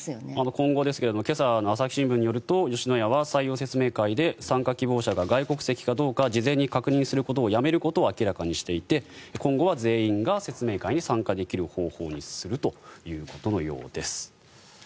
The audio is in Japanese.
今後ですが今朝の朝日新聞によると吉野家は採用説明会で参加者が外国籍かどうか事前に確認することをやめることを明らかにしていて今後は全員が説明会に参加できる方法にするということのようです。